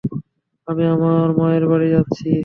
আমি আমার মায়ের বাড়ি যাচ্ছি।